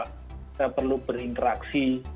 kita perlu berinteraksi